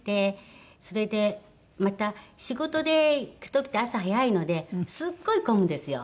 それでまた仕事で行く時って朝早いのですごい混むんですよ。